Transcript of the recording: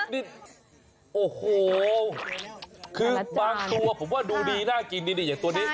นี่โอ้โหคือบางตัวผมว่าดูดีน่ากินนี่อย่างตัวนี้